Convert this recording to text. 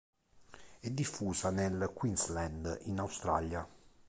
È diffusa nel Queensland, in Australia.